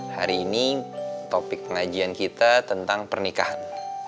hari ini topik pengajian kita tentang pernikahan